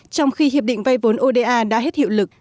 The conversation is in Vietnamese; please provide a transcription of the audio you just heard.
trong khi hiệp định vay vốn oda đã hết hiệu lực